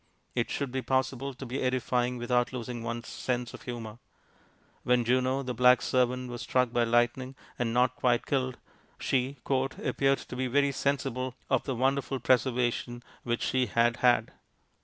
It should be possible to be edifying without losing one's sense of humour. When Juno, the black servant, was struck by lightning and not quite killed, she "appeared to be very sensible of the wonderful preservation which she had had.